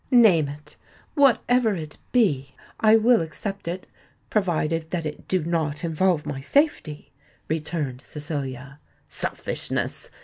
"Name it. Whatever it be, I will accept it—provided that it do not involve my safety," returned Cecilia. "Selfishness!"